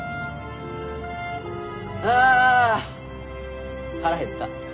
あ腹減った。